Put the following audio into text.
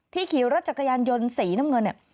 ที่ขี่รถจักรยานยนต์สีน้ำเงิน